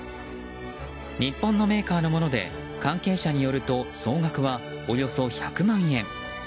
日本のメーカーのもので関係者によると総額は、およそ１００万円。